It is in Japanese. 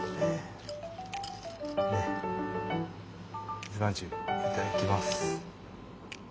水まんじゅういただきます。